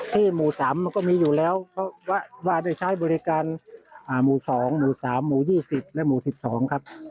หมู่๓มันก็มีอยู่แล้วเพราะว่าได้ใช้บริการหมู่๒หมู่๓หมู่๒๐และหมู่๑๒ครับ